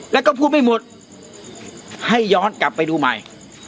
แล้วก็พูดไม่หมดให้ย้อนกลับไปดูใหม่